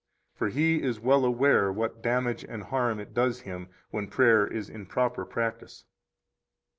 For he is well aware what damage and harm it does him when prayer is in proper practise.